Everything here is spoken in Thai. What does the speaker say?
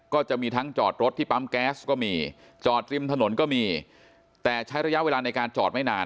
ก็จะมีทั้งจอดรถที่ปั๊มแก๊สก็มีจอดริมถนนก็มีแต่ใช้ระยะเวลาในการจอดไม่นาน